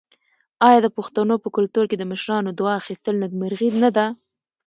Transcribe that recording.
آیا د پښتنو په کلتور کې د مشرانو دعا اخیستل نیکمرغي نه ده؟